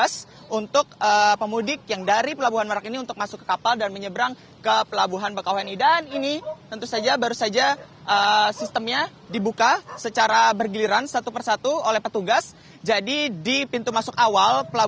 sehingga mereka baru saja bisa